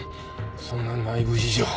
そんな内部事情。